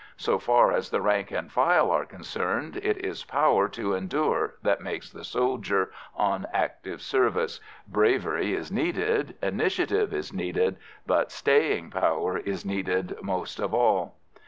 So far as the rank and file are concerned, it is power to endure that makes the soldier on active service; bravery is needed, initiative is needed, but staying power is needed most of all.